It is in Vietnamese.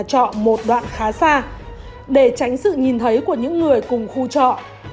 nhà trọ một đoạn khá xa để tránh sự nhìn thấy của những người cùng khu trọ